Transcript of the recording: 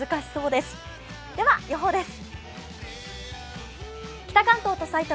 では予報です。